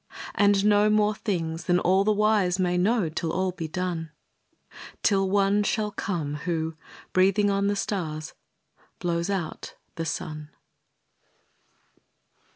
And know more things than all the wise may know Till all be done; Till One shall come who, breathing on the stars, Blows out the sun.